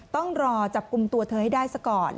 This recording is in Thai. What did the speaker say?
ต้องรอจับกลุ่มตัวเธอให้ได้ซะก่อน